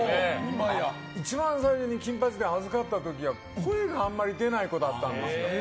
一番最初に「金八」で預かった時は声があんまり出ない子だったんですよ。